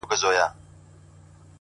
حقیقت د وخت ازموینه تېروي!